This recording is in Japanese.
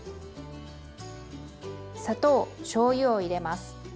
砂糖しょうゆを入れます。